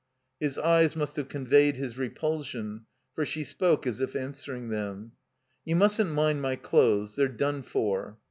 His eyes must have conveyed his repulsion, for she spoke as if answering them. "You mustn't mind my dothes. They're done for."